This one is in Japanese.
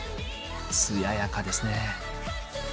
艶やかですね。